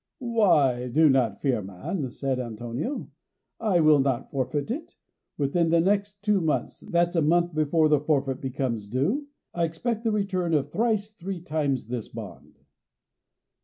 "Why, do not fear, man," said Antonio; "I will not forfeit it. Within the next two months that's a month before the forfeit becomes due I expect the return of thrice three times this bond."